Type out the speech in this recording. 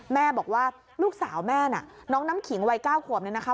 แม่บอกว่าลูกสาวแม่น่ะน้องน้ำขิงวัย๙ขวบเนี่ยนะคะ